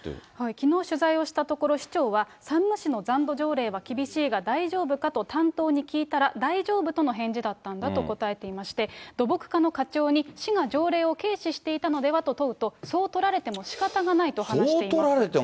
きのう取材をしたところ、市長は、山武市の残土条例は厳しいが、大丈夫かと担当に聞いたら、大丈夫との返事だったんだと答えていまして、土木課の課長に市が条例を軽視していたのではと問うと、そう取られてもしかたがないと話しています。